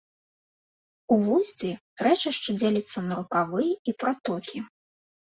У вусці рэчышча дзеліцца на рукавы і пратокі.